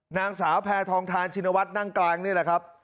นางสาวแพทองทานชินวัฒน์นั่งกลางนี่แหละครับ